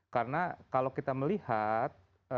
karena kalau kita melihat